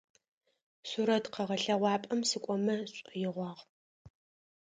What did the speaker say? Сурэт къэгъэлъэгъуапӏэм сыкӏомэ сшӏоигъуагъ.